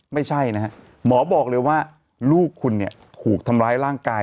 ไม่ใช่นะฮะหมอบอกเลยว่าลูกคุณเนี่ยถูกทำร้ายร่างกาย